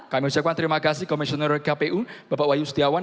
kami ucapkan terima kasih komisioner kpu bapak wayu setiawan